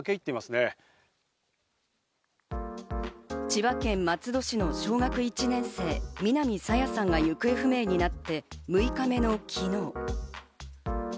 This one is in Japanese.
千葉県松戸市の小学１年生、南朝芽さんが行方不明になって６日目の昨日。